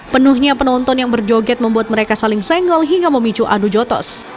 penuhnya penonton yang berjoget membuat mereka saling senggol hingga memicu adu jotos